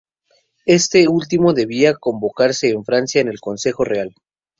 Este último debía convocarse en Francia en el Consejo Real.